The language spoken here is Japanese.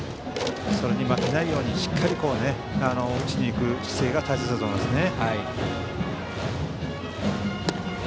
それに負けないようにしっかり打ちに行く姿勢が大切だと思いますね。